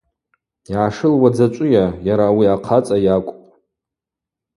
Йгӏашылуа дзачӏвыйа, йара ауи ахъацӏа йакӏвпӏ.